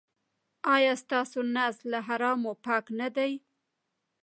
ایا ستاسو نس له حرامو پاک نه دی؟